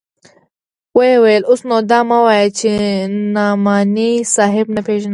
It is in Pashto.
ويې ويل اوس نو دا مه وايه چې نعماني صاحب نه پېژنم.